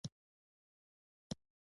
موسکا شوم ، کا ويل ،